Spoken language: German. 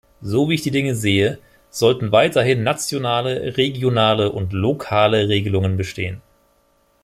So wie ich die Dinge sehe, sollten weiterhin nationale, regionale und lokale Regelungen bestehen.